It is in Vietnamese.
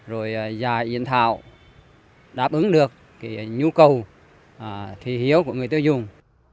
rồi dài yên thảo đáp ứng được nhu cầu thì hiếu của người tiêu dùng